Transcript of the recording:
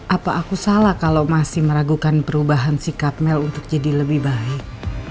apa aku salah kalau masih meragukan perubahan sikap mel untuk jadi lebih baik